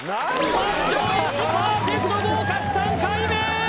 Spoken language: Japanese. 満場一致パーフェクト合格３回目！